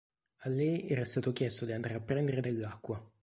A lei era stato chiesto di andare a prendere dell'acqua.